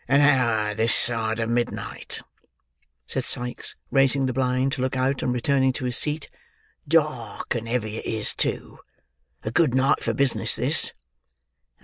"An hour this side of midnight," said Sikes, raising the blind to look out and returning to his seat. "Dark and heavy it is too. A good night for business this."